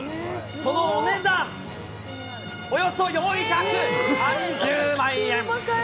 そのお値段、およそ４３０万円。